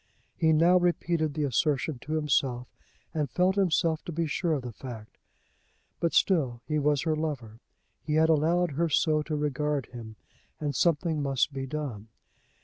He now repeated the assertion to himself, and felt himself to be sure of the fact. But still he was her lover. He had allowed her so to regard him, and something must be done.